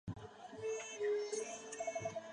这些藏品绝大部分为清宫旧藏的传世作品。